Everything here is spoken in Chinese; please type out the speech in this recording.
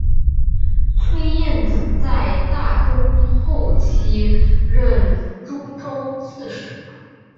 崔彦曾在大中后期任诸州刺史。